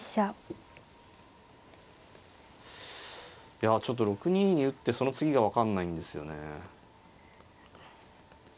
いやちょっと６二に打ってその次が分かんないんですよね。